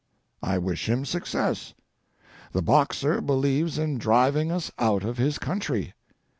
I wish him success. The Boxer believes in driving us out of his country.